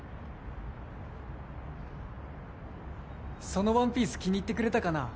そのワンピース気に入ってくれたかな？